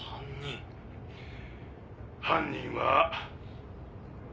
犯人は。